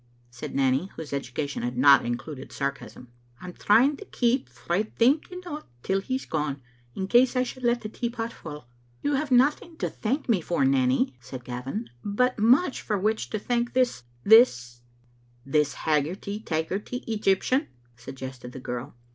said Nanny, whose education had not included sarcasm. " I'm trying to keep frae thinking o't till he's gone, in case I should let the teapot fall." "You have nothing to thank me for, Nanny," said Gavin, " but much for which to thank this — this " "This haggarty taggarty Egyptian," suggested the girl.